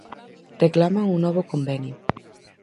Reclaman un novo convenio.